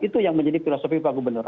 itu yang menjadi filosofi pak gubernur